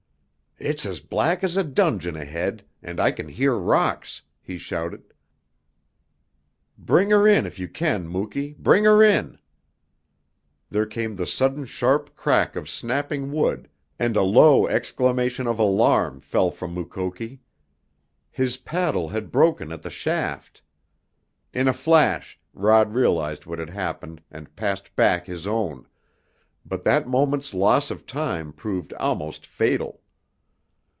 "It's as black as a dungeon ahead, and I can hear rocks!" he shouted. "Bring her in if you can, Muky, bring her in!" There came the sudden sharp crack of snapping wood and a low exclamation of alarm fell from Mukoki. His paddle had broken at the shaft. In a flash Rod realized what had happened and passed back his own, but that moment's loss of time proved almost fatal.